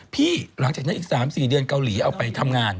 หลังจากนั้นอีก๓๔เดือนเกาหลีเอาไปทำงาน